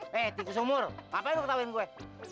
hei tikus umur apa yang lu ketawain gue